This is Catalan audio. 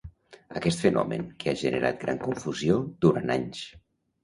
Aquest fenomen que ha generat gran confusió durant anys.